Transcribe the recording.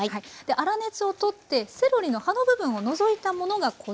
粗熱を取ってセロリの葉の部分を除いたものがこちらです。